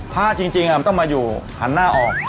พระจริงต้องมาอยู่หันหน้าออก